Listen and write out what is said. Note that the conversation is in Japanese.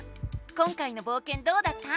今回のぼうけんどうだった？